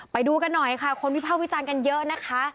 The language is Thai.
ไปดูกันหน่อยค่ะคนวิภาควิจารณ์กันเยอะนะคะ